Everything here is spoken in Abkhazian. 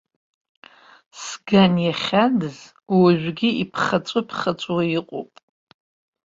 Сган иахьадыз, уажәыгьы иԥхаҵәыԥхаҵәуа иҟоуп.